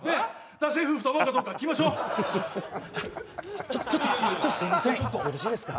ダセエ夫婦と思うかどうか聞きましょちょちょっとすいませんよろしいですか？